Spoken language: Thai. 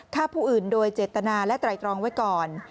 ฆ่าผู้อื่นโดยเจตนาและไตรตรองไว้ก่อน